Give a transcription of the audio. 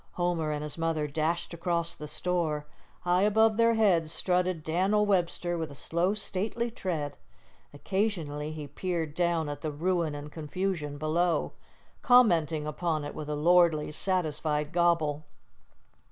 Homer and his mother dashed across the store. High above their heads strutted Dan'l Webster with a slow, stately tread. Occasionally he peered down at the ruin and confusion below, commenting upon it with a lordly, satisfied gobble.